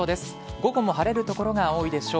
午後も晴れる所が多いでしょう。